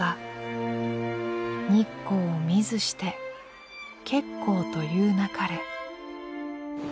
「日光を見ずして結構と言うなかれ」。